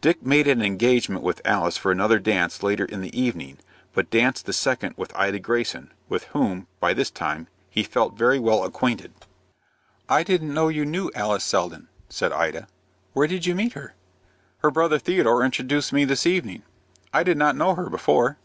Dick made an engagement with Alice for another dance later in the evening, but danced the second with Ida Greyson, with whom, by this time, he felt very well acquainted. "I didn't know you knew Alice Selden," said Ida. "Where did you meet her?" "Her brother Theodore introduced me this evening. I did not know her before."